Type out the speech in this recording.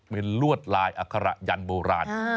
มันรวดลายอัคระยันต์โบราณ